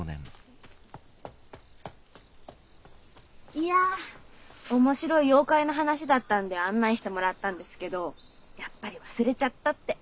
いやおもしろい妖怪の話だったんで案内してもらったんですけどやっぱり忘れちゃったって。